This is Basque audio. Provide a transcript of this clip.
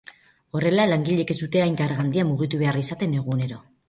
Horrela, langileek ez dute hain karga handia mugitu behar izaten egunero.